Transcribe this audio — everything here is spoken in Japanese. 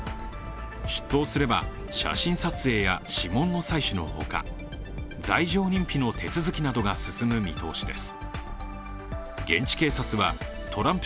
出頭すれば、写真撮影や指紋の採取のほか、罪状認否の手続きなどが進む見通しです。